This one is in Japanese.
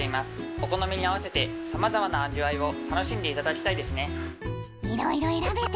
お好みに合わせてさまざまな味わいを楽しんでいただきたいですね。